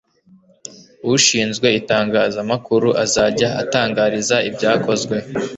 ushinzwe itangaza makuru azajya atangariza ibyakozwe